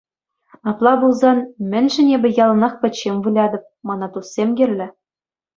Апла пулсан мӗншӗн эпӗ яланах пӗччен вылятӑп, мана туссем кирлӗ.